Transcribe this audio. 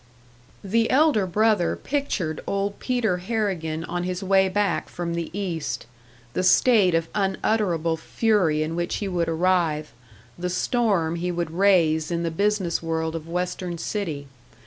The elder brother pictured old Peter Harrigan on his way back from the East; the state of unutterable fury in which he would arrive, the storm he would raise in the business world of Western City.